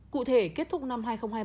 cụ thể kết thúc năm hai nghìn hai mươi